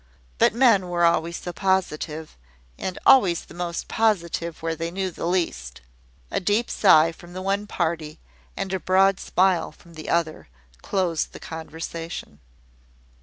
But men were always so positive; and always the most positive where they knew the least! A deep sigh from the one party, and a broad smile from the other, closed the conversation.